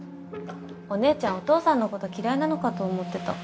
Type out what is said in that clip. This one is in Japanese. お姉ちゃんお父さんのこと嫌いなのかと思ってた。